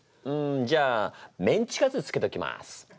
じゃあメンチカツつけときます！